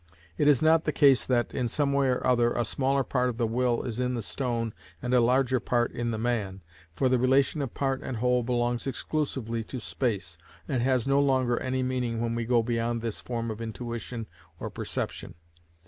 It is not the case that, in some way or other, a smaller part of will is in the stone and a larger part in the man, for the relation of part and whole belongs exclusively to space, and has no longer any meaning when we go beyond this form of intuition or perception.